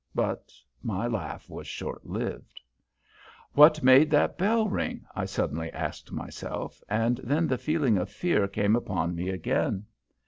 But my laugh was short lived. "What made that bell ring?" I suddenly asked myself, and then the feeling of fear came upon me again.